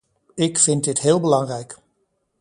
Ik vind dit heel belangrijk.